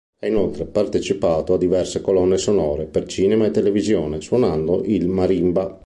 Ha inoltre partecipato a diverse colonne sonore per cinema e televisione suonando il marimba.